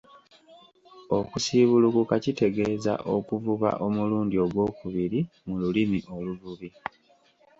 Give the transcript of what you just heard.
Okusiibulukuka kitegeeza okuvuba omulundi ogwokubiri mu lulimi oluvubi.